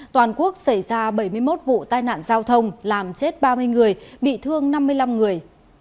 toàn quốc xảy ra bảy mươi một vụ tai nạn giao thông làm chết ba mươi người bị thương năm mươi năm người